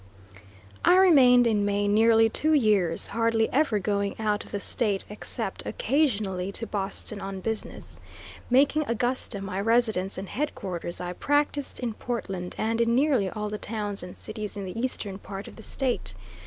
I remained in Maine nearly two years, hardly ever going out of the State, except occasionally to Boston on business. Making Augusta my residence and headquarters, I practiced in Portland and in nearly all the towns and cities in the eastern part of the State.